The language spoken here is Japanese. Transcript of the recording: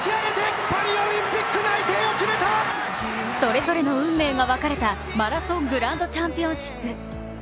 それぞれの運命が分かれたマラソングランドチャンピオンシップ。